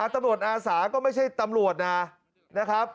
ตำรวจอาสาก็ไม่ใช่ตำรวจนะ